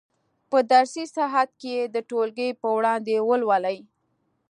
په درسي ساعت کې یې د ټولګي په وړاندې ولولئ.